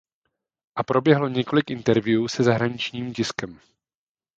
A proběhlo několik interview se zahraničním tiskem.